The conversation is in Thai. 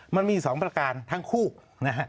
มันมีสองประการทั้งคู่นะครับทั้งคู่